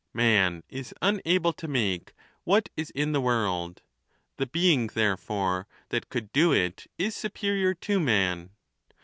Man is unable to make what is in the world ; the being, therefore, that could do it is superior to man.